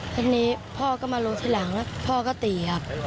ทีนี้พ่อก็มาลงทีหลังแล้วพ่อก็ตีครับ